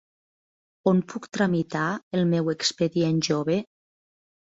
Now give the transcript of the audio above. On puc tramitar el meu expedient jove?